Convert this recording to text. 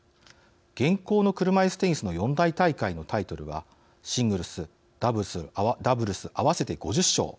現行の車いすテニスの四大大会のタイトルはシングルス、ダブルス合わせて５０勝。